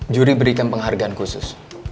juri berikan penghargaan khusus